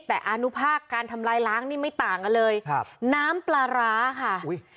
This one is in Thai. แต่อนุภาคการทำลายล้างนี่ไม่ต่างกันเลยครับน้ำปลาร้าค่ะอุ้ย